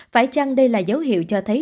phải chăng đây là dấu hiệu cho thấy